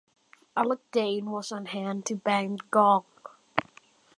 Alec Dane was on hand to bang the gong.